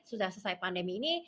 sudah selesai pandemi ini